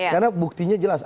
karena buktinya jelas